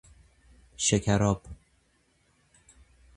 شکر آب